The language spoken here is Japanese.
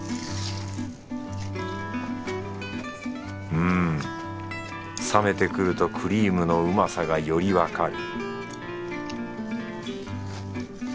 うん冷めてくるとクリームのうまさがよりわかる